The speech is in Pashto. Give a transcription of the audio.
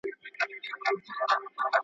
تل به گرځېدی په مار پسي پر پولو.